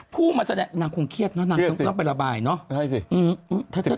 ผู้มาแสดงนางคงเครียดเนอะนางต้องไประบายเนาะ